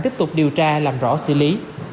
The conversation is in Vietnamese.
tiếp tục điều tra làm rõ xử lý